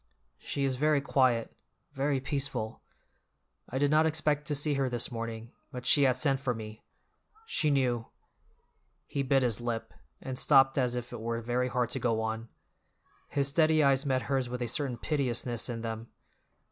"She is very quiet—very peaceful. I did not expect to see her this morning, but she had sent for me; she knew—" He bit his lip, and stopped as if it were very hard to go on; his steady eyes met hers with a certain piteousness in them.